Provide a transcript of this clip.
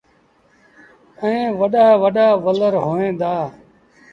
ائيٚݩ وڏآ وڏآ ولر هوئين دآ۔